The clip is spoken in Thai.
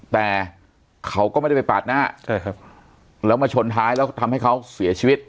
แต่เขาก็ไม่ได้ไปปาดหน้าใช่ครับแล้วมาชนท้ายแล้วทำให้เขาเสียชีวิต